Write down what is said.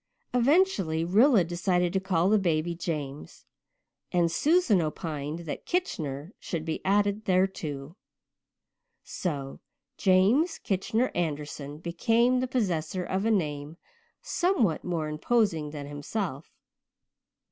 Eventually Rilla decided to call the baby James, and Susan opined that Kitchener should be added thereto. So James Kitchener Anderson became the possessor of a name somewhat more imposing than himself.